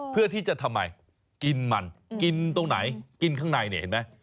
ทำไมกินมันกินตรงไหนกินข้างในเนี่ยเห็นไหม